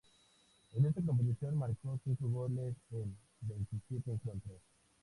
En esta competición marcó cinco goles en veintisiete encuentros.